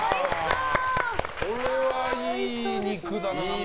これはいい肉だ。